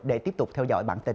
để tiếp tục theo dõi bản tin